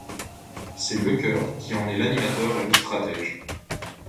C'est Lecœur qui en est l'animateur et le stratège.